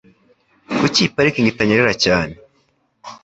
Kuki parikingi itanyerera cyane?